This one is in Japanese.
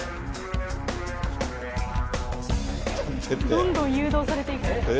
どんどん誘導されていく。